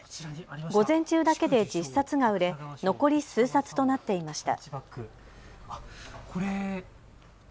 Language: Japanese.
午前中だけで１０冊が売れ残り数冊となっていました。